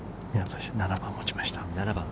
７番を持ちました。